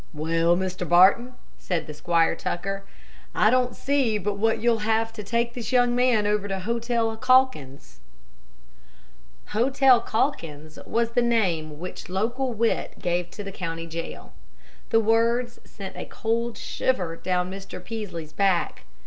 "Well, Mr. Barton," said Squire Tucker, "I don't see but what you'll have to take this young man over to Hotel Calkins." "Hotel Calkins" was the name which local wit gave to the county jail. The words sent a cold shiver down Mr. Peaslee's back.